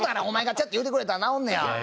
お前がちょっと言うてくれたら直んのや。